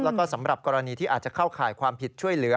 แล้วก็สำหรับกรณีที่อาจจะเข้าข่ายความผิดช่วยเหลือ